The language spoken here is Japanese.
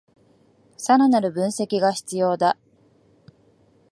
さらなる分析が必要だ